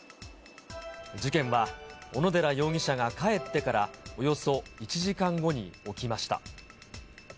事件は小野寺容疑者が帰ってからおよそ１時間後に起きました。